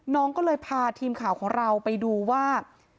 น้องก็เลยพาทีมข่าวของเราไปดูว่า